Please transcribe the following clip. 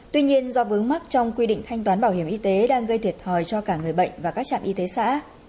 tuy nhiên do vướng mắc trong quy định thanh toán bảo hiểm y tế đang gây thiệt thòi cho cả người bệnh và các trạm y tế xã